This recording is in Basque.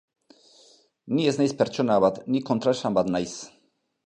Ni ez naiz pertsona bat, ni kontraesan bat naiz.